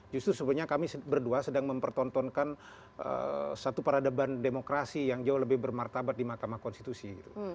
justru sebenarnya kami berdua sedang mempertontonkan satu peradaban demokrasi yang jauh lebih bermartabat di mahkamah konstitusi